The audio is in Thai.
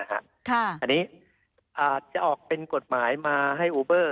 อันนี้อาจจะออกเป็นกฎหมายมาให้อูเบอร์